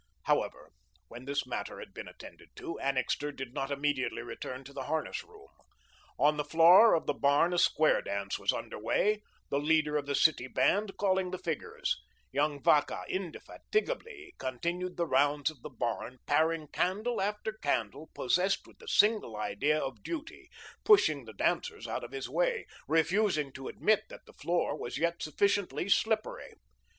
However, when this matter had been attended to, Annixter did not immediately return to the harness room. On the floor of the barn a square dance was under way, the leader of the City Band calling the figures. Young Vacca indefatigably continued the rounds of the barn, paring candle after candle, possessed with this single idea of duty, pushing the dancers out of his way, refusing to admit that the floor was yet sufficiently slippery.